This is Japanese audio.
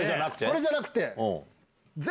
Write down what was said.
これじゃなくて。